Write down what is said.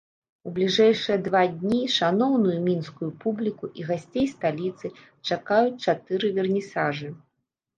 У бліжэйшыя два дні шаноўную мінскую публіку і гасцей сталіцы чакаюць чатыры вернісажы.